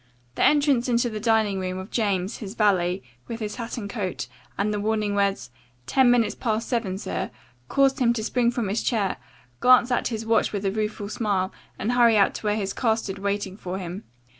The entrance into the dining room of James, his valet, with his hat and coat, and the warning words, "Ten minutes past seven, sir," caused him to spring from his chair, glance at his watch with a rueful smile, and hurry out to where his car stood waiting for him.